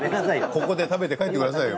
ここで食べて帰ってくださいよ。